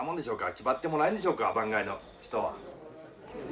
気張ってもらえんでしょうか番外の人は。